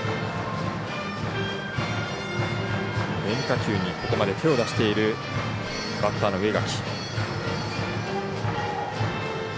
変化球にここまで手を出しているバッターの植垣。